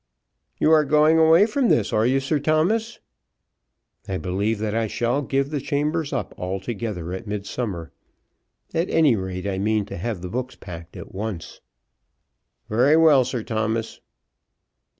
"You are going away from this; are you, Sir Thomas?" "I believe that I shall give the chambers up altogether at midsummer. At any rate, I mean to have the books packed at once." "Very well, Sir Thomas."